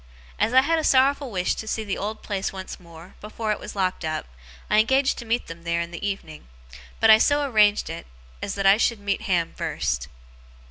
As I had a sorrowful wish to see the old place once more, before it was locked up, I engaged to meet them there in the evening. But I so arranged it, as that I should meet Ham first.